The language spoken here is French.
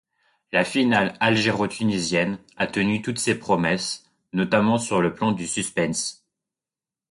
La finale algéro-tunisienne a tenu toutes ses promesses notamment sur le plan du suspense.